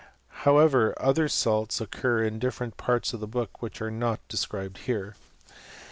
However other salts occur in different parts of the book which are not de scribed here.